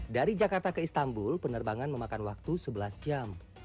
dari jakarta ke istanbul penerbangan memakan waktu sebelas jam